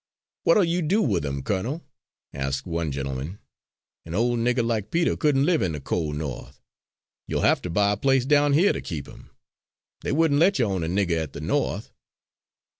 "What'll you do with him, Colonel?" asked one gentleman. "An ole nigger like Peter couldn't live in the col' No'th. You'll have to buy a place down here to keep 'im. They wouldn' let you own a nigger at the No'th."